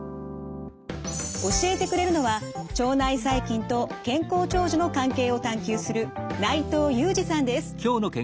教えてくれるのは腸内細菌と健康長寿の関係を探究する内藤裕二さんです。